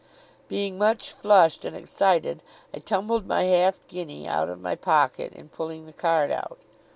Being much flushed and excited, I tumbled my half guinea out of my pocket in pulling the card out.